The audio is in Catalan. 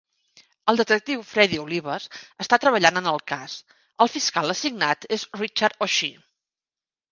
El detectiu Freddy Olivas està treballant en el cas. El fiscal assignat és Richard O'Shea.